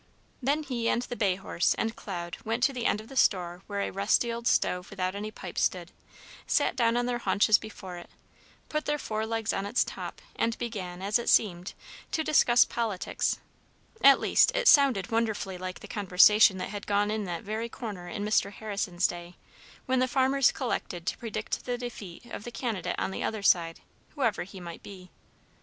Then he and the bay horse and Cloud went to the end of the store where a rusty old stove without any pipe stood, sat down on their haunches before it, put their forelegs on its top, and began, as it seemed, to discuss politics; at least, it sounded wonderfully like the conversation that had gone on in that very corner in Mr. Harrison's day, when the farmers collected to predict the defeat of the candidate on the other side, whoever he might be.